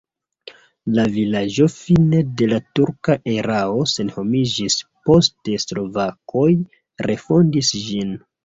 La vilaĝo fine de la turka erao senhomiĝis, poste slovakoj refondis ĝin.